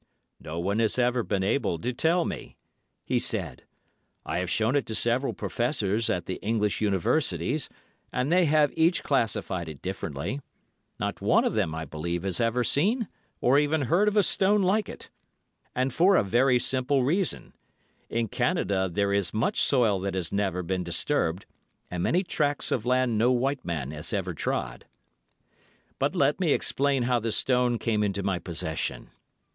"No one has ever been able to tell me," he said. "I have shown it to several Professors at the English Universities and they have each classified it differently. Not one of them, I believe, had ever seen or even heard of a stone like it. And for a very simple reason. In Canada there is much soil that has never been disturbed, and many tracts of land no white man has ever trod. "But let me explain how the stone came into my possession.